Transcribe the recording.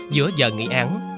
giữa giờ nghỉ án